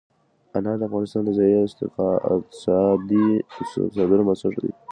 انار د افغانستان د ځایي اقتصادونو بنسټ دی.